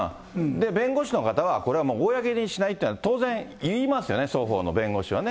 弁護士の方は、これは公にしないっていうのは、いいますよね、双方の弁護士はね。